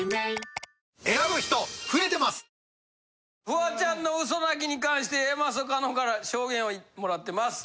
フワちゃんの嘘泣きに関してＡマッソ加納から証言をもらってます。